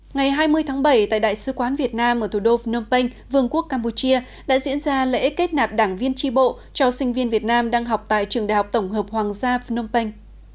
ngày hai mươi tháng bảy tại đại sứ quán việt nam ở thủ đô phnom penh vương quốc campuchia đã diễn ra lễ kết nạp đảng viên tri bộ cho sinh viên việt nam đang học tại trường đại học tổng hợp hoàng gia phnom penh